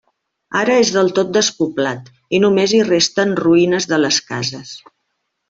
Ara és del tot despoblat, i només hi resten ruïnes de les cases.